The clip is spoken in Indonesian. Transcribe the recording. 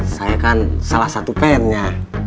saya kan salah satu pen nya